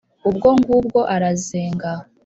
ubwo ngubwo arazenga